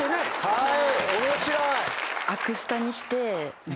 はい。